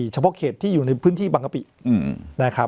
เฉพาะเขตที่อยู่ในพื้นที่บางกะปินะครับ